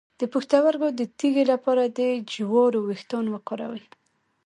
د پښتورګو د تیږې لپاره د جوارو ویښتان وکاروئ